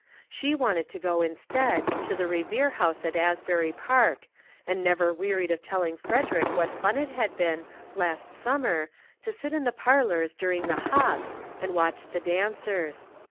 She wanted to go, instead, to the Re vere House at Asbury Park, and never wearied of telling Frederick what fun it had been, last summer, to sit in the parlors during the " hops " and watch the dancers.